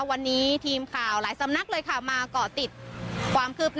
วันนี้ทีมข่าวหลายสำนักเลยค่ะมาเกาะติดความคืบหน้า